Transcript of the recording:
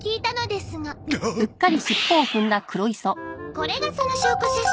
これがその証拠写真。